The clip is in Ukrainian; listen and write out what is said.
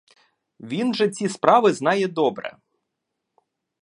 Він же ці справи знає добре!